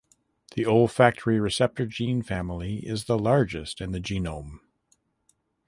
The olfactory receptor gene family is the largest in the genome.